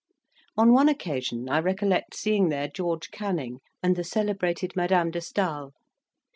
On one occasion, I recollect seeing there George Canning and the celebrated Madame de Stael.